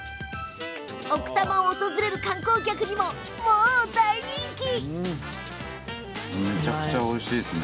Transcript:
奥多摩を訪れる観光客にも大人気。